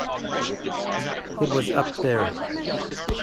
It was up there.